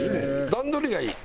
段取りがいい！